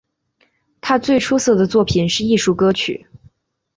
他最出色的作品是艺术歌曲。